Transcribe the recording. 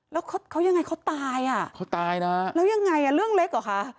แล้วเขายังไงเขาตายอ่ะเขาตายนะแล้วยังไงอ่ะเรื่องเล็กเหรอคะ